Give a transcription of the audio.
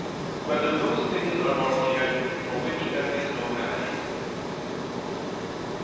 6] Whether Those Things Are More Feared, for Which There Is No Remedy?